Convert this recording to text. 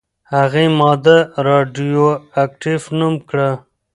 هغې ماده «راډیواکټیف» نوم کړه.